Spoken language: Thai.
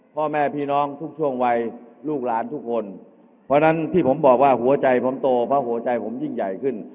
พ่อแม่พี่น้องทุกช่วงวัยลูกหลานทุกคนเพราะฉะนั้นที่ผมบอกว่าหัวใจผมโตเพราะหัวใจผมยิ่งใหญ่ขึ้น